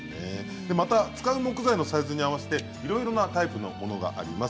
また使う木材のサイズに合わせていろいろなタイプのものがあります。